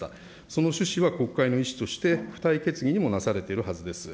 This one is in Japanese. その趣旨は国会の意思として、付帯決議にもなされているはずです。